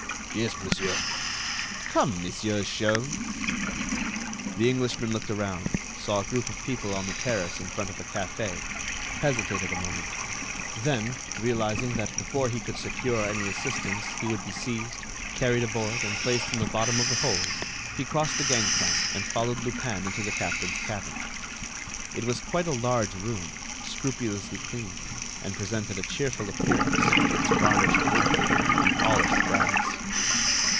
"Yes, monsieur." "Come, Monsieur Sholmes." The Englishman looked around, saw a group of people on the terrace in front of a café, hesitated a moment, then, realizing that before he could secure any assistance he would be seized, carried aboard and placed in the bottom of the hold, he crossed the gang plank and followed Lupin into the captain's cabin. It was quite a large room, scrupulously clean, and presented a cheerful appearance with its varnished woodwork and polished brass.